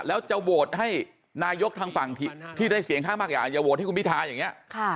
แล้วจะโหวตให้นายกทางฝั่งที่ได้เสียงข้างมากอย่างอย่าโหวตให้คุณพิทาอย่างนี้